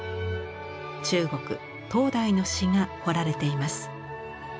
中国唐代の詩が彫られています。